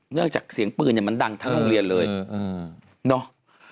เนื่องจากเสียงปืนมันดังทั้งโรงเรียนเลยเนอะ